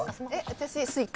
私。